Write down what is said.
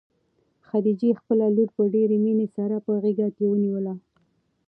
خدیجې خپله لور په ډېرې مینې سره په غېږ کې ونیوله.